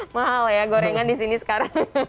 mahal ya gorengan di sini sekarang